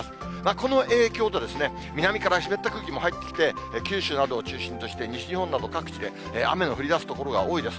この影響で南から湿った空気も入ってきて、九州などを中心として西日本など各地で雨の降りだす所が多いです。